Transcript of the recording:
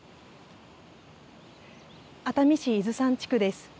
熱海市伊豆山地区です。